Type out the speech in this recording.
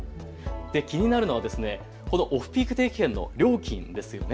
気になるのはオフピーク定期券の料金です。